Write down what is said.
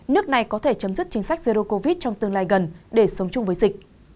nước này có thể chấm dứt chính sách zero covid trong tương lai gần để sống chung với dịch